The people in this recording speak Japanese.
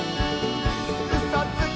「うそつき！」